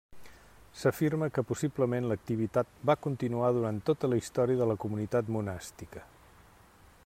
S'afirma que possiblement l'activitat va continuar durant tota la història de la comunitat monàstica.